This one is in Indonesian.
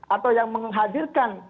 atau yang menghadirkan